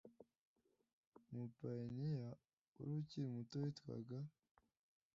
umupayiniya wari ukiri muto witwaga